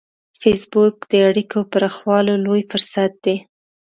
فېسبوک د اړیکو پراخولو لوی فرصت دی